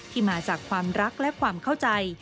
ที่มาจากความรักและความเข้าใจ